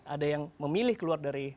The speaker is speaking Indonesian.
ada yang memilih keluar dari